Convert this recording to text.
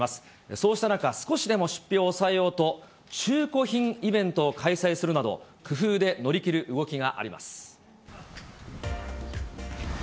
そうした中、少しでも出費を抑えようと、中古品イベントを開催するなど、工夫で乗り切る動きがあります。